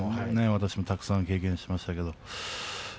私もたくさん経験しました。